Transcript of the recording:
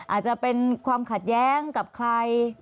อาจจะเป็นความขัดแย้งกับใคร